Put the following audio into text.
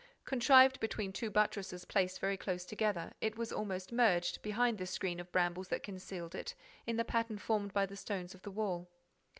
Contrived between two buttresses placed very close together, it was almost merged, behind the screen of brambles that concealed it, in the pattern formed by the stones of the wall.